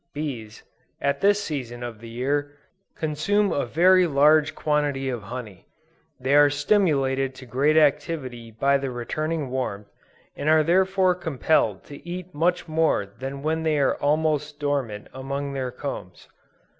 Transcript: Bees, at this season of the year, consume a very large quantity of honey: they are stimulated to great activity by the returning warmth, and are therefore compelled to eat much more than when they were almost dormant among their combs.